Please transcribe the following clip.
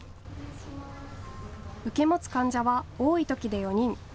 受け持つ患者は多いときで４人。